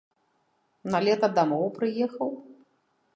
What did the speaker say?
На лета дамоў прыехаў?